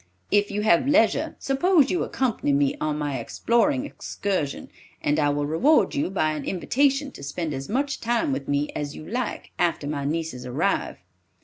If you have leisure, suppose you accompany me on my exploring excursion, and I will reward you by an invitation to spend as much time with me as you like after my nieces arrive."